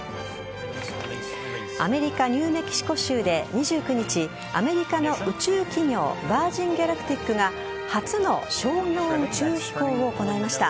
アメリカ・ニューメキシコ州で２９日アメリカの宇宙企業ヴァージン・ギャラクティックが初の商業宇宙飛行を行いました。